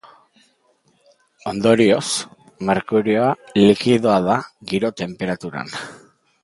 Ondorioz, merkurioa likidoa da giro-tenperaturan.